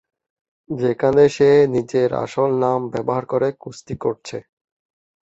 যেখানে সে নিজের আসল নাম ব্যবহার করে কুস্তি করছে।